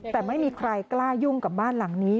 แต่ไม่มีใครกล้ายุ่งกับบ้านหลังนี้